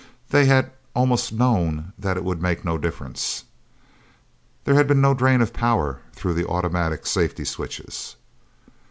They had almost known that it would make no difference. There had been no drain of power through the automatic safety switches.